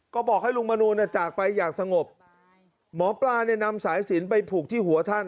ก็บอกให้ลุงมนูลจากไปอย่างสงบหมอปลาเนี่ยนำสายสินไปผูกที่หัวท่าน